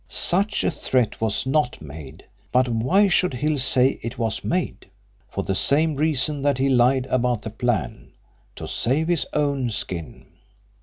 Such a threat was not made, but why should Hill say it was made? For the same reason that he lied about the plan to save his own skin.